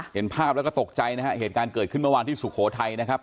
เห็นภาพแล้วก็ตกใจนะฮะเหตุการณ์เกิดขึ้นเมื่อวานที่สุโขทัยนะครับ